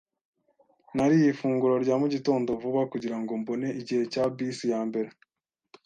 Nariye ifunguro rya mu gitondo vuba kugira ngo mbone igihe cya bisi ya mbere.